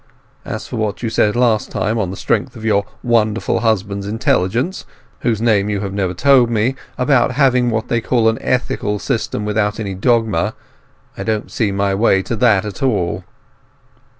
As for what you said last time, on the strength of your wonderful husband's intelligence—whose name you have never told me—about having what they call an ethical system without any dogma, I don't see my way to that at all."